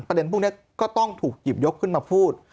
พวกนี้ก็ต้องถูกหยิบยกขึ้นมาพูด